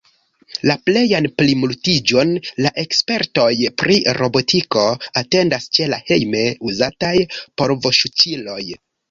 La plejan plimultiĝon la ekspertoj pri robotiko atendas ĉe la hejme uzataj polvosuĉiloj.